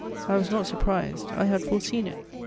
I was not surprised: I had foreseen it.